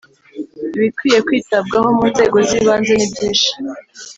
Ibikwiye kwitabwaho mu nzego z’ ibanze nibyishi.